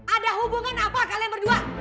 ada hubungan apa kalian berdua